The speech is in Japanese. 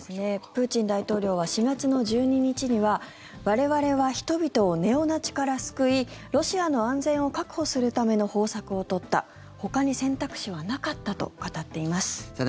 プーチン大統領は４月の１２日には我々は人々をネオナチから救いロシアの安全を確保するための方策を取ったほかに選択肢はなかったと語っています。